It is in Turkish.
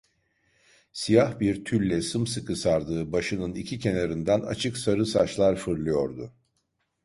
Siyah bir tülle sımsıkı sardığı başının iki kenarından açık sarı saçlar fırlıyordu.